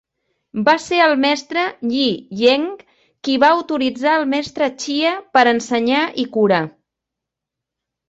Va ser el mestre Yi Eng qui va autoritzar el mestre Chia per ensenyar i curar.